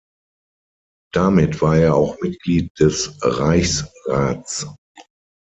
Damit war er auch Mitglied des Reichsrats.